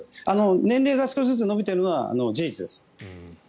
年齢が少しずつ延びているのは事実です。